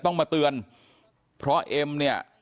ต้องมาเตือนเพราะเอ็มเนี่ย